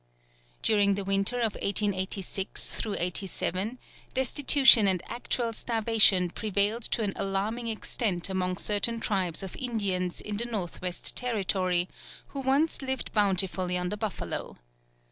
During the winter of 1886 '87, destitution and actual starvation prevailed to an alarming extent among certain tribes of Indians in the Northwest Territory who once lived bountifully on the buffalo.